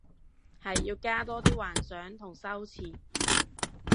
係要加多啲幻想同修辭